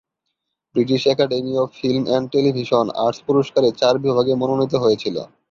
British Academy of Film and Television Arts পুরষ্কারে চার বিভাগে মনোনীত হয়েছিল।